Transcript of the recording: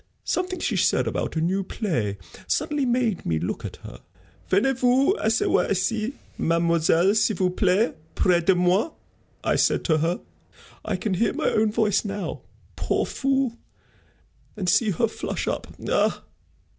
Something she said about a new play suddenly made me look at her. 'Venez vous asseoir ici, mademoiselle, s'il vous plaît près de moi,' I said to her I can hear my own voice now, poor fool, and see her flush up. Ah!"